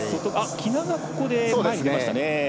喜納がここで前に出ましたね。